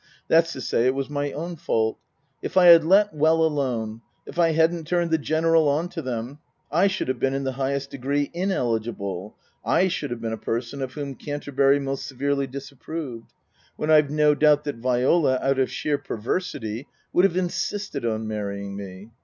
That's to say, it was my own fault. If I had let well alone ; if I hadn't turned the General on to them, I should have been in the highest degree ineligible ;/ should have been a person of whom Canterbury most severely disapproved; when I've no doubt that Viola, out of sheer perversity, would have insisted on marrying me.